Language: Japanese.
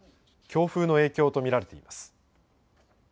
強風の影響と見られています。